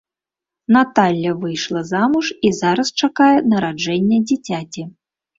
Наталля выйшла замуж і зараз чакае нараджэння дзіцяці.